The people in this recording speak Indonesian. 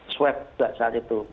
swab saat itu